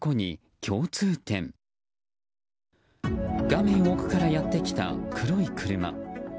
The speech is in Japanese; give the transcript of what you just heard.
画面奥からやってきた黒い車。